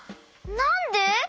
なんで？